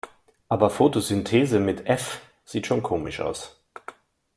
Aber Fotosynthese mit F sieht schon komisch aus.